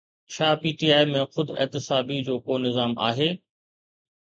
ڇا P T I ۾ خود احتسابي جو ڪو نظام آهي؟